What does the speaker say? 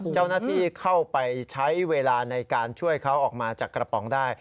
เจ้าหน้าที่เข้าไปใช้เวลาในการช่วยเขาออกมาจากกระป๋องได้